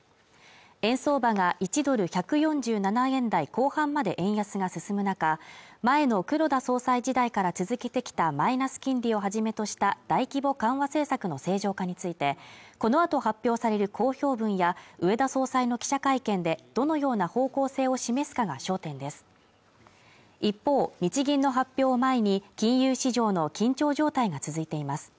円相場が１ドル＝１４７円台後半まで円安が進む中前の黒田総裁時代から続けてきたマイナス金利をはじめとした大規模緩和政策の正常化についてこのあと発表される公表文や上田総裁の記者会見でどのような方向性を示すかが焦点です一方日銀の発表を前に金融市場の緊張状態が続いています